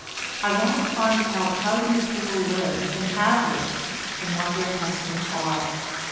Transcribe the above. I want to find out how these people live, and have lived, and what their customs are.